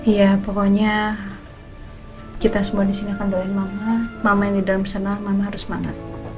ya pokoknya kita semua di sini akan doain mama mama yang di dalam kesenah mama harus semangat